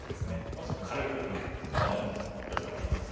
もうちょっと軽くこんなふうに打つのがいい手ですね。